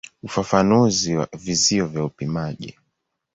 Ufafanuzi wa vizio vya upimaji.